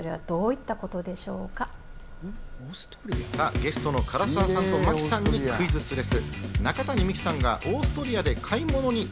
ゲストの唐沢さんと真木さんにクイズッスです。